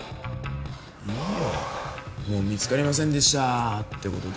いいよもう見つかりませんでしたってことで。